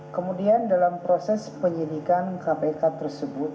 kemudian dalam proses penyidikan kpk tersebut